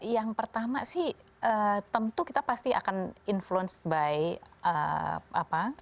yang pertama sih tentu kita pasti akan influence by apa